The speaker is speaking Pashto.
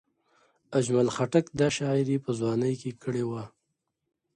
اجمل خټک دا شاعري په ځوانۍ کې کړې وه.